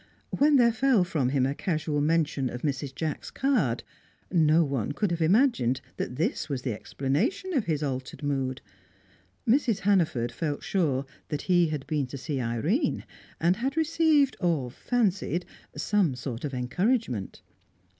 When there fell from him a casual mention of Mrs. Jacks' card, no one could have imagined that this was the explanation of his altered mood. Mrs. Hannaford felt sure that he had been to see Irene, and had received, or fancied, some sort of encouragement.